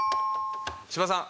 芝さん。